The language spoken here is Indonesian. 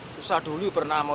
susah dulu pernah mau